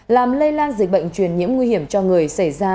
làm lây lan dịch bệnh truyền nhiễm nguy hiểm cho người xảy ra